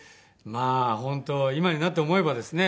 まあ本当今になって思えばですね